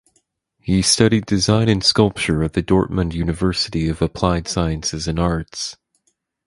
He studied design and sculpture at the Dortmund University of Applied Sciences and Arts.